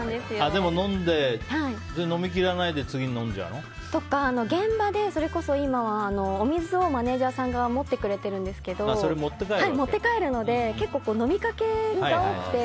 でも飲んで、飲みきれないでとか、現場で今はお水をマネジャーさんが持ってくれてるんですけど持って帰るので結構、飲みかけが多くて。